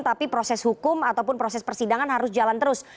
tapi proses hukum ataupun proses persidangan harus jalan terus